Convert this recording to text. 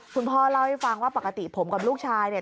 คุณพ่อเล่าให้ฟังว่าปกติผมกับลูกชายเนี่ย